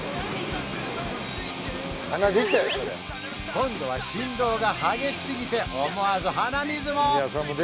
今度は振動が激しすぎて思わず鼻水も！